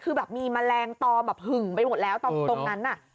คือแบบมีแมลงตอแบบหึ่งไปหมดแล้วตรงนั้นน่ะ